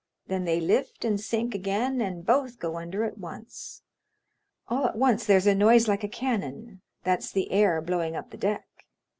Then they lift and sink again, and both go under at once. All at once there's a noise like a cannon—that's the air blowing up the deck.